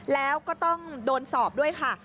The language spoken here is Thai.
แล้วก็ต้องโดนสอบด้วยค่ะ